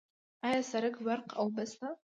آیا سرک، برق او اوبه شته؟